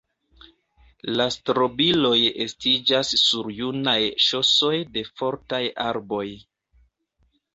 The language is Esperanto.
La strobiloj estiĝas sur junaj ŝosoj de fortaj arboj.